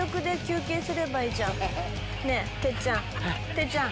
⁉てっちゃん。